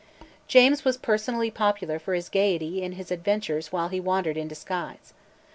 James was personally popular for his gaiety and his adventures while he wandered in disguise.